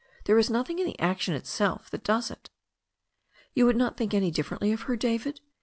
There is nothing in the action itself that does it." "You would not think any differently of her, David?